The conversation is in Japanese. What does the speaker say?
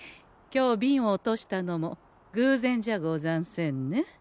今日ビンを落としたのもぐうぜんじゃござんせんね？